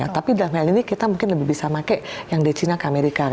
tapi dalam hal ini kita mungkin lebih bisa pakai yang di china ke amerika